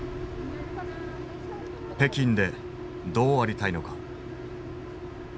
北京でどうありたいのか。